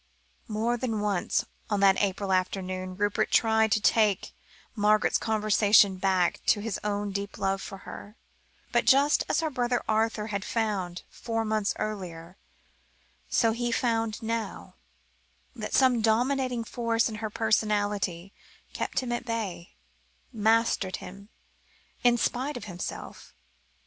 More than once on that April afternoon, Rupert tried to take Margaret's conversation back to his own deep love for her; but, just as her brother Arthur had found, four months earlier, so he found now, that some dominating force in her personality kept him at bay mastered him, in spite of himself.